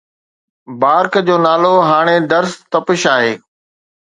بارڪ جو نالو هاڻي درس تپش آهي